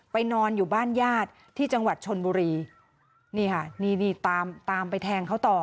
นอนอยู่บ้านญาติที่จังหวัดชนบุรีนี่ค่ะนี่นี่ตามตามไปแทงเขาต่อ